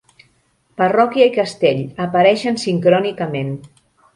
Parròquia i Castell apareixen sincrònicament.